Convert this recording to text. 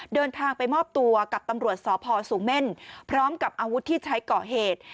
เดินทางไปมอบตัวกับตำรวจสพสูงเม่นพร้อมกับอาวุธที่ใช้ก่อเหตุ